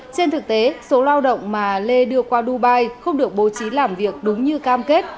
trên thực tế số lao động mà lê đưa qua dubai không được bố trí làm việc đúng như cam kết